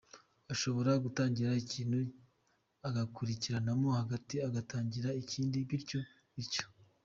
Ashobora gutangira ikintu akagarukiramo hagati agatangira ikindi bityo bityo.